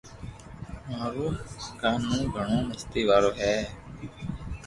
مارو ڪانو گھڻو مستي وارو ھي